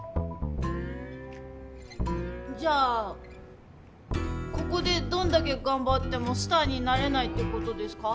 じゃあここでどんだけ頑張ってもスターになれないって事ですか？